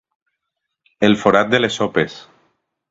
El forat de les sopes.